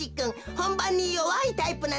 ほんばんによわいタイプなんですね。